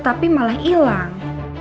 tapi malah hilang